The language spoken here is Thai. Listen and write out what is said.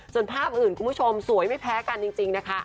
ส่วนภาพอื่นคุณผู้ชมสวยไม่แพ้กันจริงนะคะ